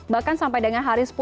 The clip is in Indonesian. bahkan sampai dengan hari sepuluh